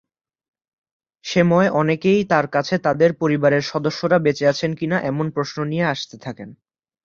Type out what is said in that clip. সেময় অনেকেই তার কাছে তাদের পরিবারের সদস্যরা বেঁচে আছেন কিনা এমন প্রশ্ন নিয়ে আসতে থাকেন।